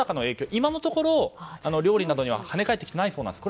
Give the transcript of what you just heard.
今のところ料理などには跳ね返ってきていないそうです。